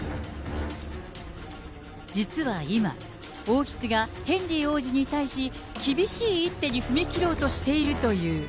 実は今、王室がヘンリー王子に対し、厳しい一手に踏み切ろうとしているという。